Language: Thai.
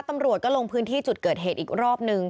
ตำรวจก็ลงพื้นที่จุดเกิดเหตุอีกรอบนึง